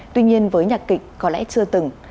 tuy nhiên với nhạc kịch có lẽ chưa từng